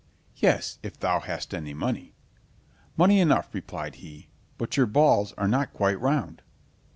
"Yes, if thou hast any money." "Money enough," replied he, "but your balls are not quite round."